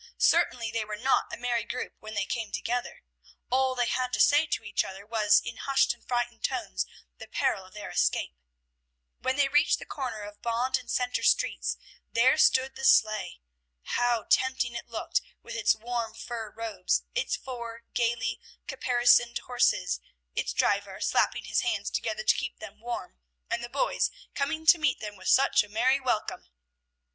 Certainly they were not a merry group when they came together. All they had to say to each other was in hushed and frightened tones the peril of their escape. When they reached the corner of Bond and Centre Streets there stood the sleigh! How tempting it looked with its warm fur robes, its four gayly caparisoned horses, its driver, slapping his hands together to keep them warm, and the boys coming to meet them with such a merry welcome!